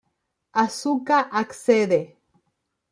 Asuka accede.